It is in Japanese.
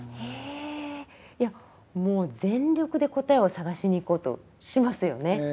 もう全力で答えを探しにいこうとしますよね。